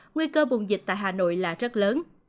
nguy cơ bùng dịch tại hà nội là rất lớn